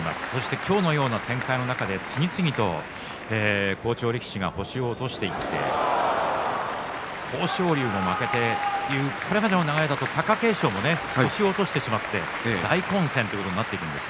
今日のような展開の中で次々と好調力士が星を落としていって豊昇龍も負けてこれまでの流れだと貴景勝も星を落としてしまって大混戦ということになっていました。